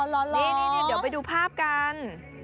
เดี๋ยวไปดูภาพกัน